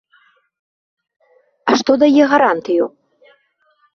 А што дае гарантыю?